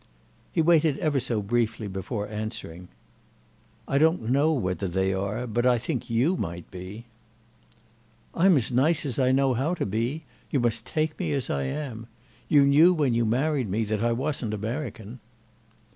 He waited ever so briefly before answering. "I don't know whether they are, but I think you might be." "I'm as nice as I know how to be. You must take me as I am. You knew when you married me that I wasn't American."